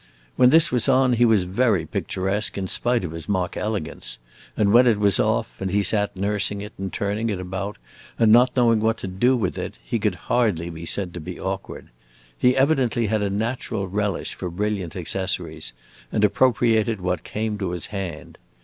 When this was on, he was very picturesque, in spite of his mock elegance; and when it was off, and he sat nursing it and turning it about and not knowing what to do with it, he could hardly be said to be awkward. He evidently had a natural relish for brilliant accessories, and appropriated what came to his hand.